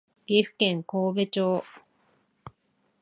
岐阜県神戸町